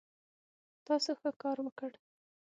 تاسو ښه کار وکړ